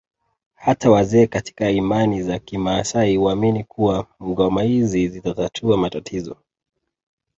Hata wazee katika imani za kimaasai huamini kuwa ngoma hizi zitatatua matatizo